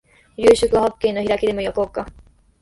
夕食はホッケの開きでも焼こうか